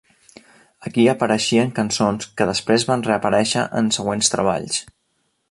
Aquí apareixien cançons que després van reaparèixer en següents treballs.